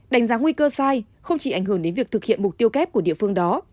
đánh giá nguy cơ sai không chỉ ảnh hưởng đến việc thực hiện mục tiêu kép của địa phương đó